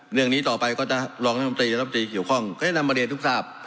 เรื่องนี้ต่อไปก็จะรองรัฐมนตรีรับตรีเกี่ยวข้องก็จะนำมาเรียนทุกทราบ